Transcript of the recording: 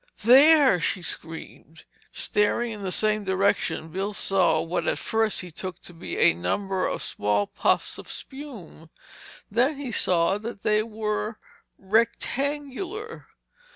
There!" she screamed. Staring in the same direction, Bill saw what at first he took to be a number of small puffs of spume. Then he saw that they were rectangular.